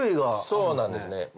そうなんですね